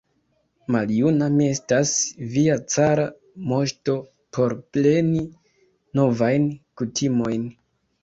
Maljuna mi estas, via cara moŝto, por preni novajn kutimojn!